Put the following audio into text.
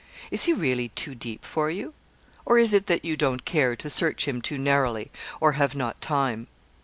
Is he really too deep for you? Or is it that you don't care to search him too narrowly, or have not time?